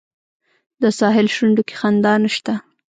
د ساحل شونډو کې خندا نشته